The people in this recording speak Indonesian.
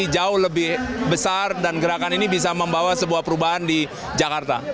jauh lebih besar dan gerakan ini bisa membawa sebuah perubahan di jakarta